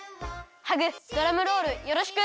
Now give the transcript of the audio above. ハグドラムロールよろしく！